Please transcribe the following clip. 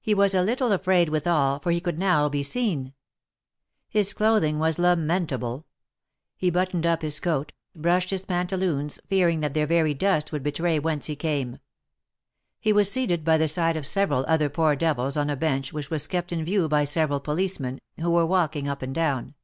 He was a little afraid withal, for he could now be seen. His clothing was lamentable. He buttoned up his coat, brushed his pantaloons, fearing that their very dust would betray whence he came. He was seated by the side of several other poor devils on a bench which was kept in view by several policemen, who were walking up and down.